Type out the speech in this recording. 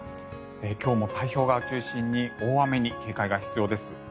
今日も太平洋側を中心に大雨に警戒が必要です。